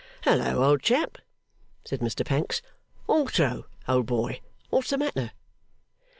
'Hallo, old chap!' said Mr Pancks. 'Altro, old boy! What's the matter?